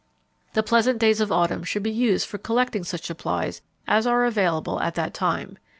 The pleasant days of autumn should be used for collecting such supplies as are available at that time.